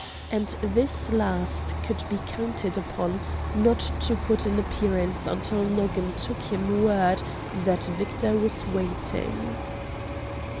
And this last could be counted upon not to put in appearance until Nogam took him word that Victor was waiting.